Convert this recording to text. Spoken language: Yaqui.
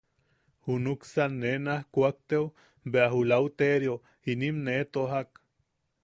Juntuksan ne naaj kuakteo bea Lauteerio inim nee tojak.